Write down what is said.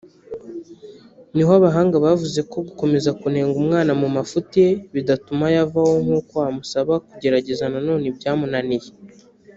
niho abahanga bavuze ko gukomeza kunenga umwana mu mafuti ye bidatuma ayavaho nkuko wamusaba kugerageza nanone ibyamunaniye